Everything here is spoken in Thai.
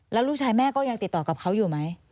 แล้วลูกชายแม่ก็ยังติดต่อกับเขาอยู่ไหม